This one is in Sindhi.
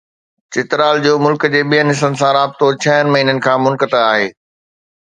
چترال جو ملڪ جي ٻين حصن سان رابطو ڇهن مهينن کان منقطع آهي.